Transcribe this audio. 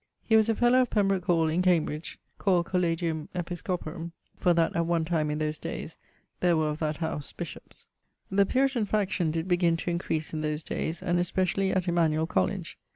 He was a fellowe of Pembroke hall, in Cambridge (called Collegium Episcoporum, for that, at one time, in those dayes, there were of that house ... bishops). The Puritan faction did begin to increase in those dayes, and especially at Emanuel College.